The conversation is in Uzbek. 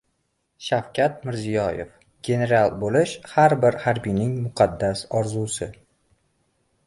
Shavkat Mirziyoyev: «General bo‘lish har bir harbiyning muqaddas orzusi»